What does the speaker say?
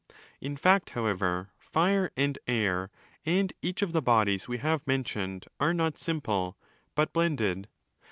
In fact, however, fire and air, and each of the bodies_we have mentioned, are not simple, but blended.